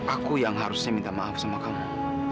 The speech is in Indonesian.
aku yang harusnya minta maaf sama kamu